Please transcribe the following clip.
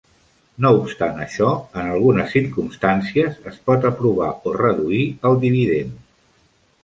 No obstant això, en algunes circumstàncies es pot aprovar o reduir el dividend.